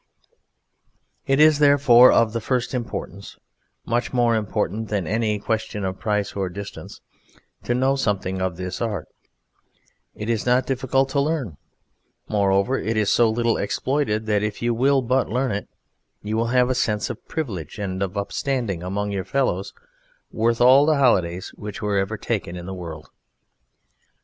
It is therefore of the first importance, much more important than any question of price or distance, to know something of this art; it is not difficult to learn, moreover it is so little exploited that if you will but learn it you will have a sense of privilege and of upstanding among your fellows worth all the holidays which were ever taken in the world.